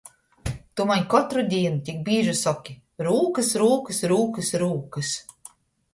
Tu maņ kotru dīnu tik bīži soki – rūkys, rūkys, rūkys, rūkys...